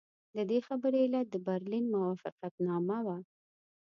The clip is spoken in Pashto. د دې خبرې علت د برلین موافقتنامه وه.